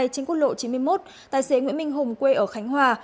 trên quốc lộ chín mươi một tài xế nguyễn minh hùng quê ở khánh hòa